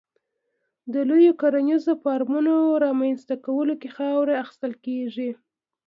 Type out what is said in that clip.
د لویو کرنیزو فارمونو رامنځته کولو کې خاوره اخیستل کېږي.